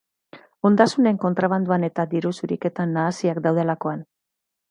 Ondasunen kontrabandoan eta diru zuriketan nahasiak daudelakoan.